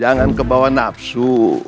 jangan kebawa nafsu